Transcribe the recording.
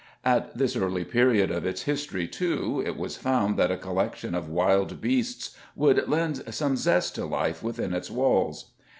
At this early period of its history, too, it was found that a collection of wild beasts would lend some zest to life within its walls.